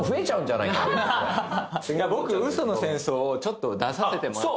僕『嘘の戦争』ちょっと出させてもらってて。